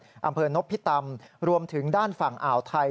อำเภอนพิตำรวมถึงด้านฝั่งอ่าวไทย